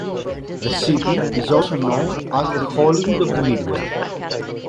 The city is also known as the Hollywood of the Midwest.